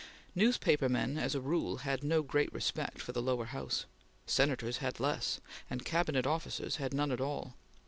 Newspaper men as a rule had no great respect for the lower House; Senators had less; and Cabinet officers had none at all.